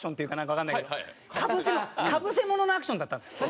かぶせ物かぶせ物のアクションだったんですよ。